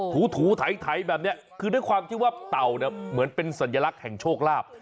ถูไถแบบนี้คือด้วยความที่ว่าเต่าเนี่ยเหมือนเป็นสัญลักษณ์แห่งโชคลาภ